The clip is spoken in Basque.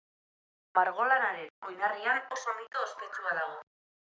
Margolanaren oinarrian oso mito ospetsua dago.